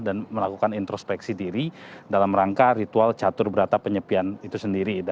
dan melakukan introspeksi diri dalam rangka ritual catur berata penyepian itu sendiri